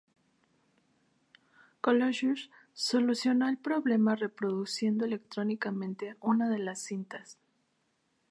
Colossus solucionó el problema reproduciendo electrónicamente una de las cintas.